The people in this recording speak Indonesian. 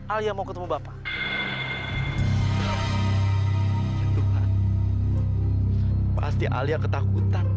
alia mau ketemu ayah